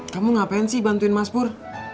kamu ngapain sih bantuin mas pur